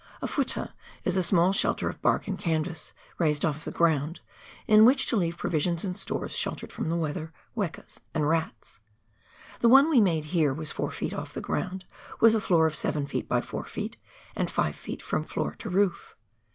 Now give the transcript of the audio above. A "futtah" is a small shelter of bark and canvas, raised off the ground, in which to leave provisions and stores sheltered from the weather, wekas, and rats ; the one we made here was 4 ft. off the ground, with a floor of 7 ft. by 4 ft., and 5 ft. from floor to roof.